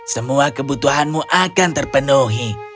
semua kebutuhanmu akan terpenuhi